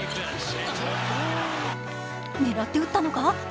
狙って打ったのか？